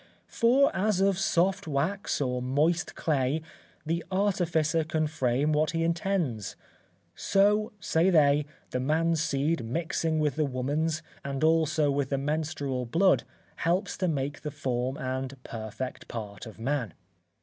For as of soft wax or moist clay, the artificer can frame what he intends, so, say they, the man's seed mixing with the woman's and also with the menstrual blood, helps to make the form and perfect part of man.